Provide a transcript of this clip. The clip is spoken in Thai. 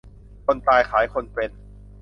คนตายขายคนเป็น